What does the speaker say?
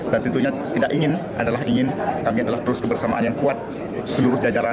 dan tentunya tidak ingin adalah ingin kami adalah terus kebersamaan yang kuat seluruh jajaran